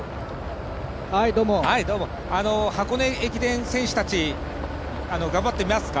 箱根駅伝選手たち、頑張っていますか？